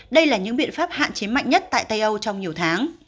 đây là những biện pháp hạn chế mạnh nhất tại tây âu trong nhiều tháng